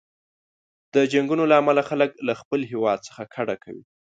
د جنګونو له امله خلک له خپل هیواد څخه کډه کوي.